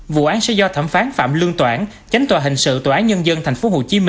vụ án sẽ do thẩm phán phạm lương toản chánh tòa hình sự tòa án nhân dân tp hcm